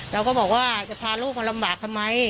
เราก็บอกว่าจะพาลูกมาลำบากทำไม